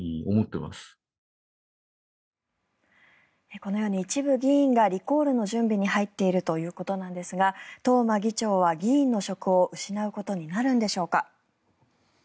このように一部議員がリコールの準備に入っているということなんですが東間議長は議員の職を失うことになるんでしょうか。